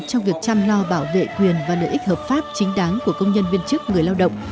trong việc chăm lo bảo vệ quyền và lợi ích hợp pháp chính đáng của công nhân viên chức người lao động